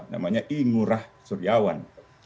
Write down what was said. namanya i ngurah suryawan